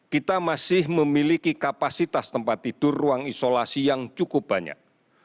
kita masih memiliki kapasitas tempat tidur ruang isolasi yang cukup banyak